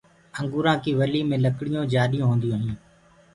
انگوُرآنٚ ڪيٚ ولي مي لڪڙيو جآڏيونٚ هونديونٚ هينٚ۔